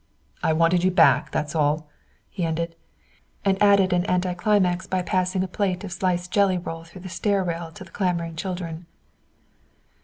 "I wanted you back, that's all," he ended. And added an anticlimax by passing a plate of sliced jelly roll through the stair rail to the clamoring children.